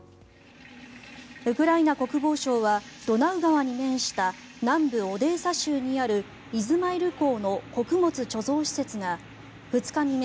ウクライナ国防省はドナウ川に面した南部オデーサ州にあるイズマイル港の穀物貯蔵施設が２日未明